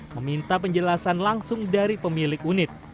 meminta penjelasan langsung dari pemilik unit